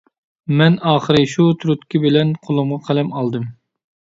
مەن ئاخىر شۇ تۈرتكە بىلەن قولۇمغا قەلەم ئالدىم.